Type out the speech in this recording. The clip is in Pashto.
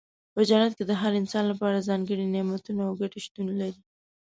په جنت کې د هر انسان لپاره ځانګړي نعمتونه او ګټې شتون لري.